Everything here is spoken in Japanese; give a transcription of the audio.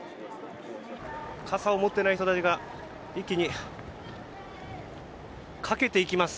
傘を持っていない人たちが一気に駆けていきます。